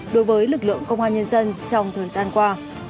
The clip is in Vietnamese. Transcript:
đối với lực lượng công an nhân dân trong thời gian qua